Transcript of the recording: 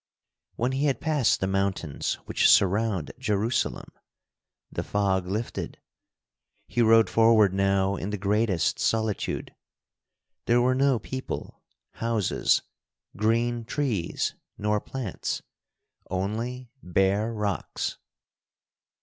When he had passed the mountains which surround Jerusalem, the fog lifted. He rode forward now in the greatest solitude. There were no people, houses, green trees, nor plants—only bare rocks.